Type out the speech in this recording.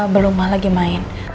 belum lah lagi main